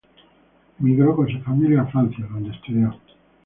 Emigró con su familia a Francia, donde estudió.